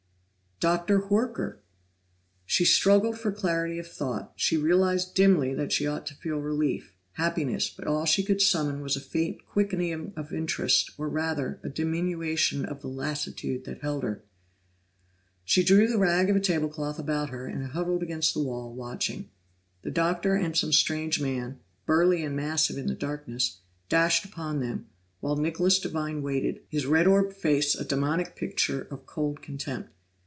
Dr. Horker! She struggled for clarity of thought; she realized dimly that she ought to feel relief, happiness but all she could summon was a faint quickening of interest, or rather, a diminution of the lassitude that held her. She drew the rag of a table cloth about her and huddled against the wall, watching. The Doctor and some strange man, burly and massive in the darkness, dashed upon them, while Nicholas Devine waited, his red orbed face a demoniac picture of cold contempt.